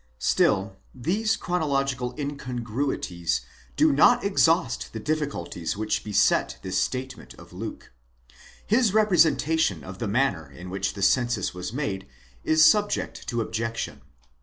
Still these chronological incongruities do not exhaust the difficulties which beset this statement of Luke. His representation of the manner in which the census was made is subject to objection.